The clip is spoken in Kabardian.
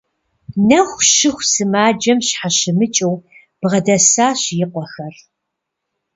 Нэху щыху сымаджэм щхьэщымыкӀыу бгъэдэсащ и къуэхэр.